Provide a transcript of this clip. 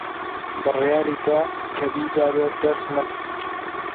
بڕیاری دا کە بیداتە دەست من